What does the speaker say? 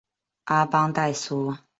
阿邦代苏。